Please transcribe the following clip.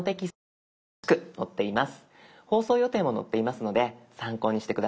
放送予定も載っていますので参考にして下さい。